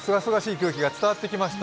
空気が伝わってきました。